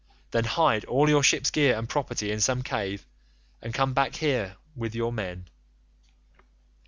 Then, hide all your ship's gear and property in some cave, and come back here with your men.